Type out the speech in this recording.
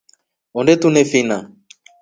Onde tunefina.